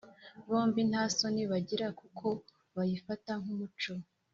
Bombi nta soni bagira kuko bayifata nk’umuco